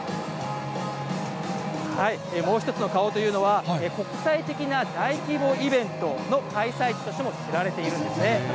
もう一つの顔というのは、国際的な大規模イベントの開催地としても知られているんですね。